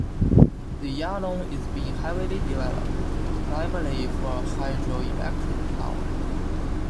The Yalong is being heavily developed, primarily for hydroelectric power.